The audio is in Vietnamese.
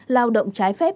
lao động trái phép